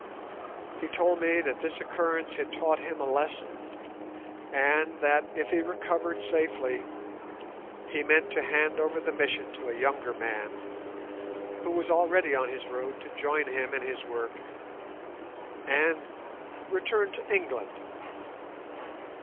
He told me that this occurrence had taught him a lesson, and that, if he recovered safely, he meant to hand over the Mission to a younger man, who was already on his road to join him in his work, and return to England.